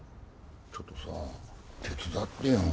ちょっとさ手伝ってよ。